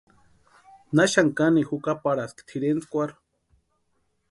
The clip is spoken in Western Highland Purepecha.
¿Na xani kanikwa jukaparhaski tʼirentskwarhu.